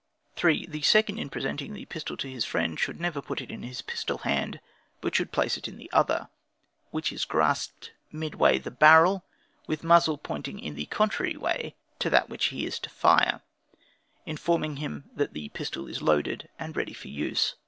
3. The second, in presenting the pistol to his friend, should never put it in his pistol hand, but should place it in the other, which is grasped midway the barrel, with muzzle pointing in the contrary way to that which he is to fire, informing him that his pistol is loaded and ready for use.